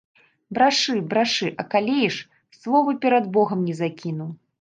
Брашы, брашы, акалееш, слова перад богам не закіну.